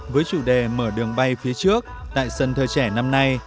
với chủ đề mở đường bay phía trước tại sân thơ trẻ năm nay